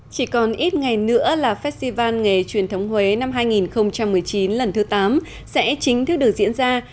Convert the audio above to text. chỉ còn ít ngày nữa là festival nghề truyền thống huế năm hai nghìn một mươi chín lần thứ tám sẽ chính thức được diễn ra